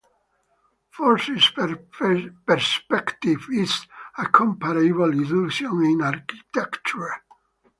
Forced perspective is a comparable illusion in architecture.